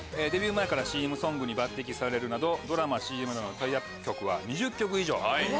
デビュー前からＣＭソングに抜てきされるなどドラマＣＭなどのタイアップ曲は２０曲以上。